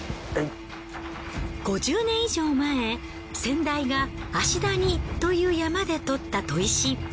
５０年以上前先代が芦谷という山で採った砥石。